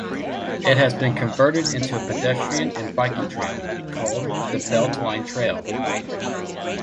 It has been converted into a pedestrian and biking trail, called the Beltline Trail.